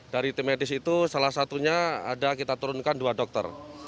dari tim medis itu salah satunya ada kita turunkan dua dokter